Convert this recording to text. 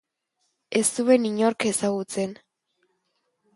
Ez zuen inork ezagutzen.